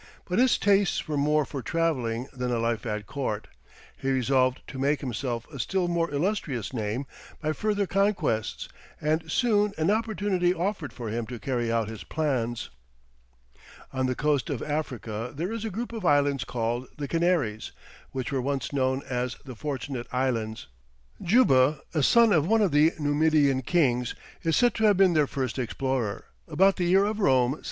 But his tastes were more for travelling than a life at court; he resolved to make himself a still more illustrious name by further conquests, and soon an opportunity offered for him to carry out his plans. [Illustration: Jean de Béthencourt.] On the coast of Africa there is a group of islands called the Canaries, which were once known as the Fortunate Islands. Juba, a son of one of the Numidian kings, is said to have been their first explorer, about the year of Rome 776.